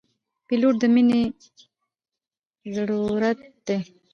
پیلوټ د مینې، زړورت